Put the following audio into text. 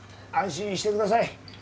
安心してください。